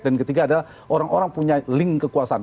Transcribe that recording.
dan ketiga adalah orang orang punya link kekuasaan